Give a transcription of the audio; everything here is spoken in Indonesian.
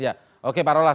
iya oke pak rolas